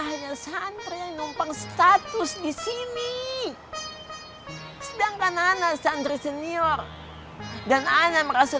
hanya santri yang numpang status di sini sedangkan anak santri senior dan anak merasa